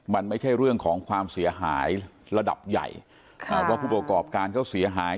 มันไม่ใช่เรื่องของความเสียหายระดับใหญ่อ่าว่าผู้ประกอบการเขาเสียหาย